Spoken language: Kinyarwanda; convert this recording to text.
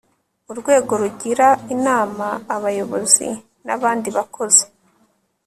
urwego rugira inama abayobozi n abandi bakozi